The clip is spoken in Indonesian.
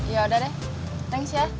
ya udah deh thanks ya